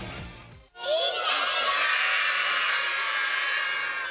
いってきます。